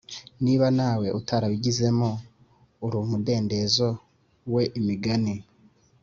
niba nawe utarabigizemo uruumudendezo we Imigani